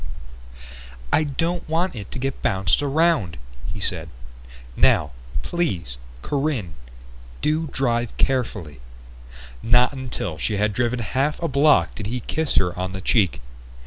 "I don't want it to get bounced around," he said. "Now, please, Corinne, do drive carefully." Not until she had driven half a block did he kiss her on the cheek.